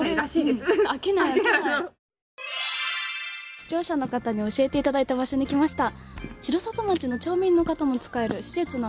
視聴者の方に教えていただいた場所に来ました。